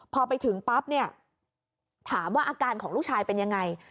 พอไปถึงปั๊บเนี่ยถามว่าอาการของลูกชายเป็นยังไง